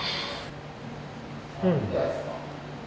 うん